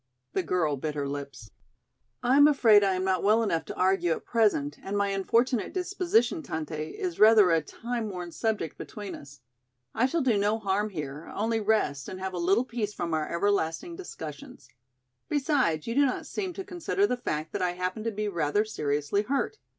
The girl bit her lips. "I am afraid I am not well enough to argue at present and my unfortunate disposition, Tante, is rather a time worn subject between us. I shall do no harm here, only rest and have a little peace from our everlasting discussions. Besides, you do not seem to consider the fact that I happen to be rather seriously hurt.